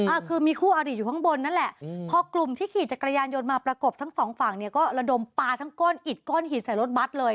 อ่าคือมีคู่อาริอยู่ข้างบนนั่นแหละอืมพอกลุ่มที่ขี่จักรยานยนต์มาประกบทั้งสองฝั่งเนี่ยก็ระดมปลาทั้งก้อนอิดก้อนหินใส่รถบัตรเลย